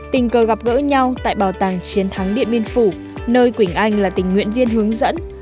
tình cờ gặp gỡ nhau tại bảo tàng chiến thắng điện biên phủ nơi quỳnh anh là tình nguyện viên hướng dẫn